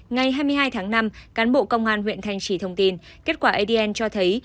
ngày hai mươi hai tháng năm cán bộ công an huyện thanh trì thông tin kết quả adn cho thấy